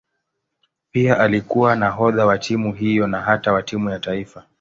Pia alikuwa nahodha wa timu hiyo na hata wa timu ya taifa.